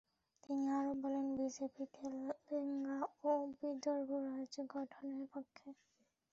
তিনি আরও বলেন, বিজেপি তেলেঙ্গানা ও বিদর্ভ রাজ্য গঠনের পক্ষে।